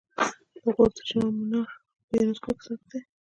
د غور د جام منار په یونسکو کې ثبت دی